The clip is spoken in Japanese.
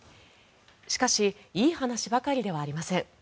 しかし、いい話ばかりではありません。